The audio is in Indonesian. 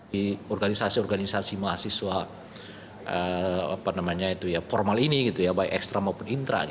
di organisasi organisasi mahasiswa formal ini gitu ya baik ekstra maupun intra